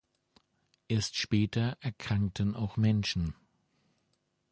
Erst später erkrankten auch Menschen.